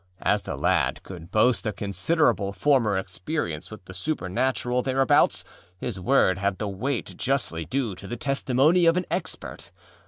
As the lad could boast a considerable former experience with the supernatural thereabouts his word had the weight justly due to the testimony of an expert.